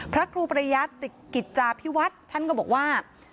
พระครูประยัติกิจจาพิวัฒน์ท่านก็บอกว่า